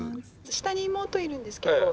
下に妹いるんですけど。